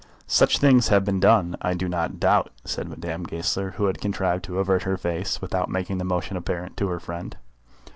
"Such things have been done, I do not doubt," said Madame Goesler, who had contrived to avert her face without making the motion apparent to her friend.